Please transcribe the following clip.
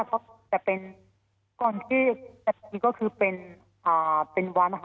ก่อนที่ก็คือเป็นวันค่ะ